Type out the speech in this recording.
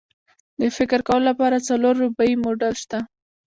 د فکر کولو لپاره څلور ربعي موډل شته.